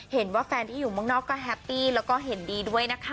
เห็นว่าแฟนที่อยู่เมืองนอกก็แฮปปี้แล้วก็เห็นดีด้วยนะคะ